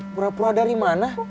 pura pura dari mana